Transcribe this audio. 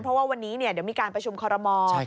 เพราะว่าวันนี้เดี๋ยวมีการประชุมคอรมอล